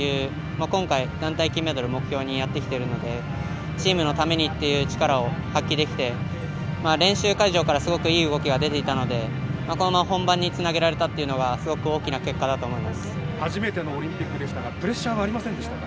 今回、団体金メダル目標にやってきているのでチームのためにっていう力を発揮できて練習会場からすごくいい動きが出ていたのでこのまま本番につなげられたというのが初めてのオリンピックでしたがプレッシャーはありませんでしたか？